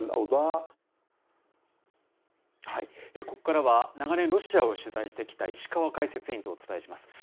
ここからは長年、ロシアを取材してきた石川解説委員とお伝えします。